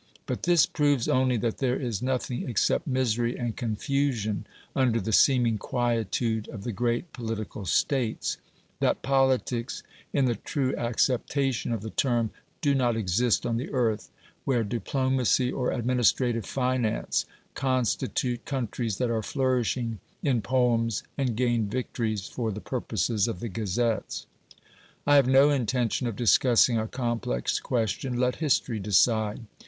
But this proves only that there is nothing except misery and confusion under the seeming quietude of the great political States; that politics in the true acceptation of the term do not exist on the earth, where diplomacy or administrative finance constitute countries that are flourishing in poems and gain victories for the purposes of the gazettes. I have no intention of discussing a complex question : let history decide